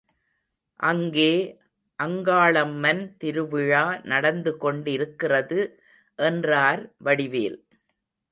அங்கே அங்காளம்மன் திருவிழா நடந்துகொண்டிருக்கிறது என்றார் வடிவேல்.